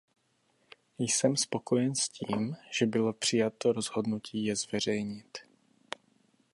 Jsem spokojen s tím, že bylo přijato rozhodnutí je zveřejnit.